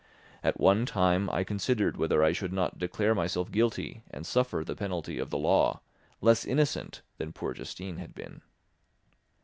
At one time I considered whether I should not declare myself guilty and suffer the penalty of the law, less innocent than poor Justine had been.